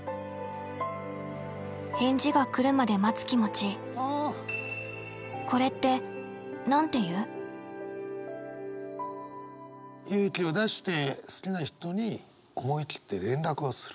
返事が来るまで待つ気持ち勇気を出して好きな人に思い切って連絡をする。